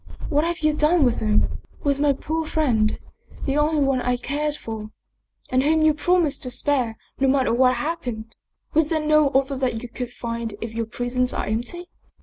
What have you done with him, with my poor friend, the only one I cared for and whom you promised to spare, no matter what happened? Was there no other that you could find if your prisons are empty?